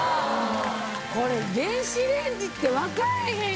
これ電子レンジって分からへん